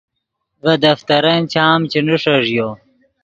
ڤے دفترن چام چے نیݰݱیو